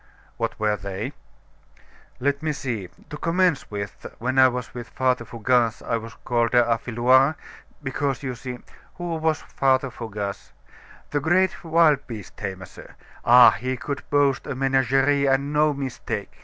"What were they?" "Let me see to commence with, when I was with Father Fougasse, I was called Affiloir, because you see " "Who was this Father Fougasse?" "The great wild beast tamer, sir. Ah! he could boast of a menagerie and no mistake!